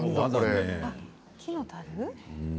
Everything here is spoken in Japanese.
木のたる？